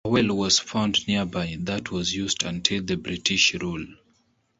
A well was found nearby that was used until the British rule.